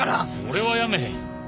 俺は辞めへんよ